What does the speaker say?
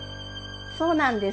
そうなんです。